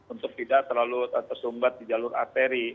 untuk tidak terlalu tersumbat di jalur arteri